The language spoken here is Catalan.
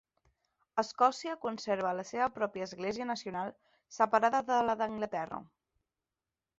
Escòcia conserva la seva pròpia església nacional, separada de la d'Anglaterra.